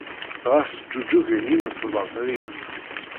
Ɣas ǧǧuǧǧugen yimesbaṭliyen.